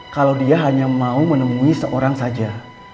kalau dia hanya mau menemui seorang saja